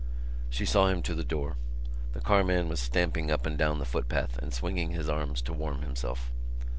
She saw him to the door. The carman was stamping up and down the footpath, and swinging his arms to warm himself.